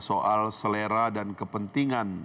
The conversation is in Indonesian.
soal selera dan kepentingan